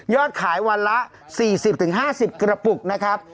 ขายวันละ๔๐๕๐กระปุกนะครับ